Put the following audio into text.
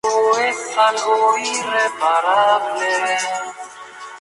Otros diarios importantes son: El Heraldo y La Tribuna de Tegucigalpa.